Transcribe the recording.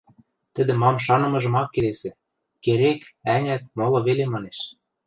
Тӹдӹ мам шанымыжым ак келесӹ, «керек», «ӓнят» моло веле манеш.